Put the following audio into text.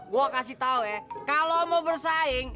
gue kasih tau ya kalau mau bersaing